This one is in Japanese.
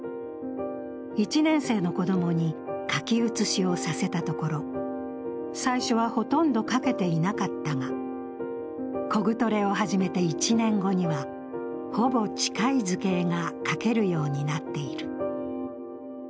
１年生の子供に書き写しをさせたところ最初はほとんど描けていなかったがコグトレを始めて１年後にはほぼ近い図形が描けるようになっている。